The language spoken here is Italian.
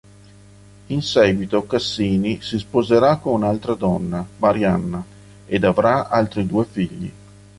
In seguito Cassini si sposerà con un'altra donna, Marianna, ed avrà altri due figli.